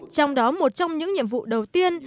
trong đó một trong những nhiệm vụ đầu tiên